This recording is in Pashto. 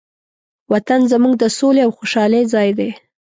وطن زموږ د سولې او خوشحالۍ ځای دی.